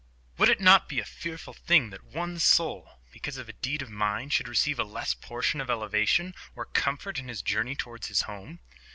Would it not be a fearful thing that one soul, because of a deed of mine, should receive a less portion of elevation or comfort in his journey towards his home?